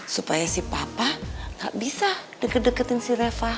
supaya si papa gak bisa deket deketin si reva